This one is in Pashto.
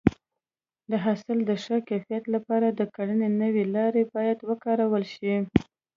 د حاصل د ښه کیفیت لپاره د کرنې نوې لارې باید وکارول شي.